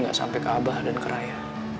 gak sampai ke abah dan ke raya